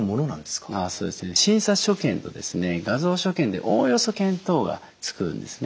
そうですね診察所見とですね画像所見でおおよそ見当はつくんですね。